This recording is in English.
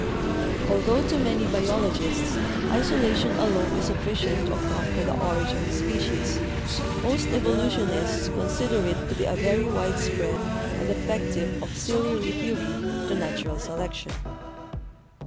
Altho to many biologists isolation alone is sufficient to account for the origin of species, most evolutionists con sider it to be a very widespread and effective auxiliary theory to natural selection.